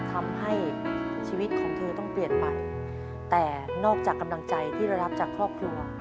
ทำให้ชีวิตของเธอต้องเปลี่ยนไปแต่นอกจากกำลังใจที่เรารับจากครอบครัว